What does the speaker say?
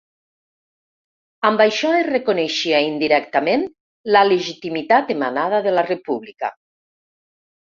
Amb això es reconeixia, indirectament, la legitimitat emanada de la república.